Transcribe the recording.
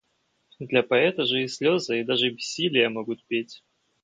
Для поэта же и слёзы и даже бессилие могут петь.